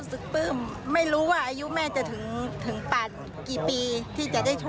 คุณศึกปื้มไม่รู้ว่าอายุแม่จะถึงปากกี่ปี